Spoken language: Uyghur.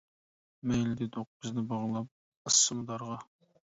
مەيلى دېدۇق بىزنى باغلاپ، ئاسسىمۇ دارغا.